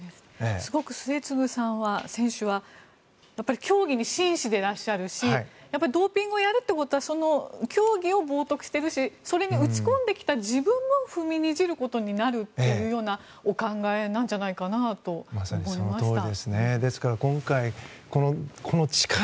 すごく末續選手は競技に真摯でいらっしゃるしドーピングをやるってことはその競技を冒とくしているしそれに打ち込んできた自分も踏みにじることになるというようなお考えなんじゃないかなと思いました。